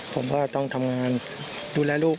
ผมก็ต้องทำงานดูแลลูก